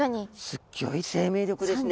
すっギョい生命力ですね。